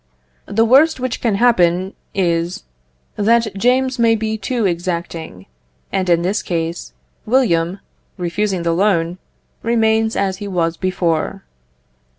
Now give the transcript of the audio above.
The worst which can happen is, that James may be too exacting; and in this case, William, refusing the loan, remains as he was before.